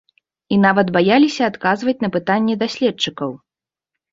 І нават баяліся адказваць на пытанні даследчыкаў!